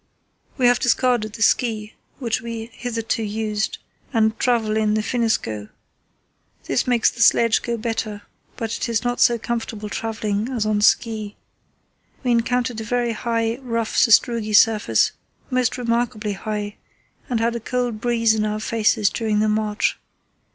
We have discarded the ski, which we hitherto used, and travel in the finneskoe. This makes the sledge go better but it is not so comfortable travelling as on ski. We encountered a very high, rough sastrugi surface, most remarkably high, and had a cold breeze in our faces during the march.